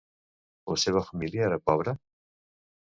La seva família era pobra?